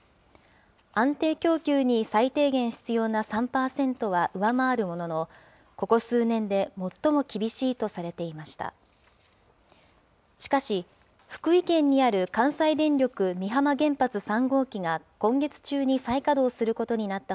安定供給に最低限必要な３％は上回るものの、ここ数年で最も厳しいとされていました。